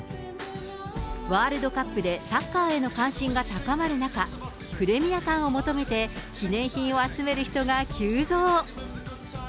ワールドカップでサッカーへの関心が高まる中、プレミア感を求めて、記念品を集める人が急増。